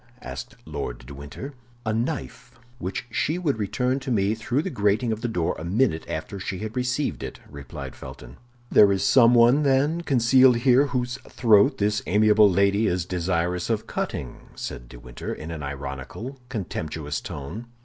asked Lord de Winter. "A knife, which she would return to me through the grating of the door a minute after she had received it," replied Felton. "There is someone, then, concealed here whose throat this amiable lady is desirous of cutting," said de Winter, in an ironical, contemptuous tone.